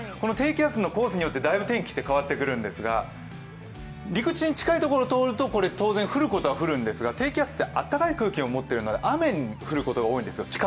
低気圧のコースによってだいぶ天気って変わってくるんですが、陸地に近いところを通ると、降ることは降るんですが、低気圧ってあったかい空気を持っているので雨が降ることが多いんですよ